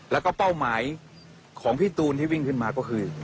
แล้วก็เป้าหมายของพี่ตูนที่วิ่งขึ้นมาก็คือ